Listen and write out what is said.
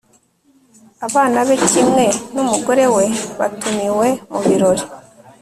abana be kimwe n'umugore we batumiwe mu birori